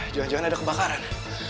jangan jangan ada kebakaran